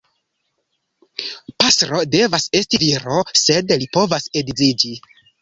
Pastro devas esti viro, sed li povas edziĝi.